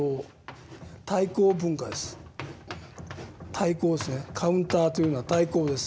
対抗性カウンターというのは対抗です。